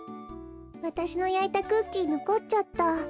わたしのやいたクッキーのこっちゃった。